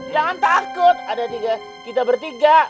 jangan takut ada tiga kita bertiga